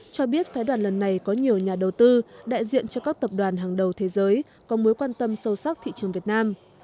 cho biết phái đoàn lần này có nhiều nhà đầu tư đại diện cho các tập đoàn hàng đầu thế giới có mối quan tâm sâu sắc thị trường việt nam